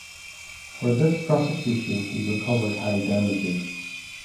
For this prosecution he recovered high damages.